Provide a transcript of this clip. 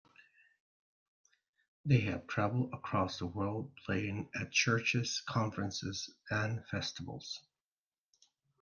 They have traveled across the world, playing at churches, conferences, and festivals.